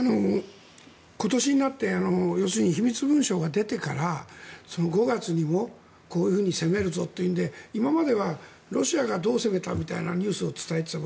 今年になって機密文書が出てから５月にもこういうふうに攻めるぞというので今まではロシアがどう攻めたみたいなニュースを伝えていた。